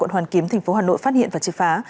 quận hoàn kiếm tp hcm phát hiện và triệt phá